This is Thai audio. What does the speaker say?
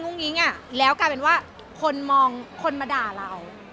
งิ้งอ่ะแล้วกลายเป็นว่าคนมองคนมาด่าเรา